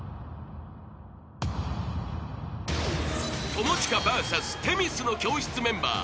［友近ＶＳ『女神の教室』メンバー］